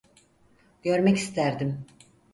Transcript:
Görmek isterdim.